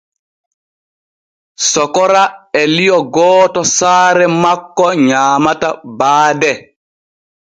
Sokora e lio gooto saare makko nyaamata baade.